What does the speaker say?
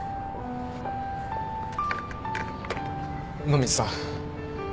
野水さん。